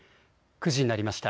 ９時になりました。